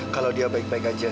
kalau dia baik baik aja